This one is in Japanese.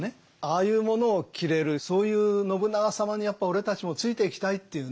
ああいうものを着れるそういう信長様にやっぱ俺たちもついていきたいっていうね